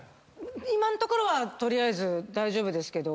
今んところは取りあえず大丈夫ですけど。